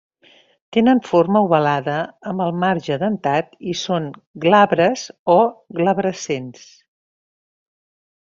Tenen forma ovalada amb el marge dentat i són glabres o glabrescents.